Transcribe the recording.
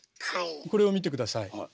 これを見て下さい。